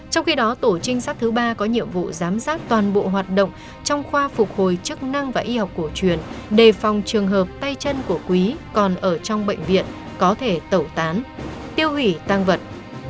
sau đó tổ trinh sát thứ ba có nhiệm vụ giám sát toàn bộ hoạt động trong khoa phục hồi chức năng và y học cổ truyền đề phòng trường hợp tay chân của quý và đồng bọn đang tẩu tán tiêu hủy tăng vật